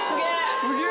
「すげえ！」